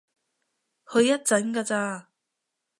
去一陣㗎咋